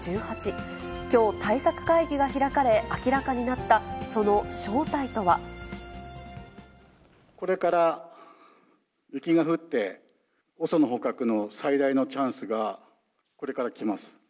きょう、対策会議が開かれ、明らかになったその正体とは。これから雪が降って、ＯＳＯの捕獲の最大のチャンスがこれから来ます。